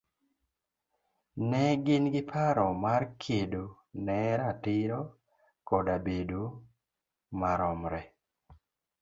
ne gin gi paro mar kedo ne ratiro koda bedo maromre